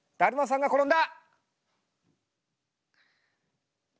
だるまさんが転んだ！